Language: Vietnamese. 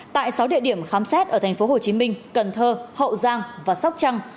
tại sáu địa điểm khám xét ở thành phố hồ chí minh cần thơ hậu giang và sóc trăng